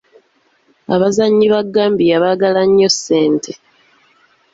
Abazannyi ba Gambia baagala nnyo ssente.